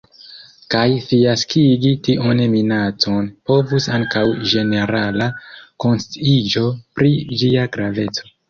Kaj fiaskigi tiun minacon povus ankaŭ ĝenerala konsciiĝo pri ĝia graveco.